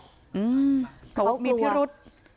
เขากลัวว่ามีพิรุษ